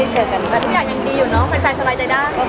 ทุกอย่างยังมีอยู่เนอะใครใส่ใส่ใจได้